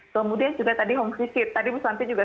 kemudian juga tadi hong visit tadi bu santi juga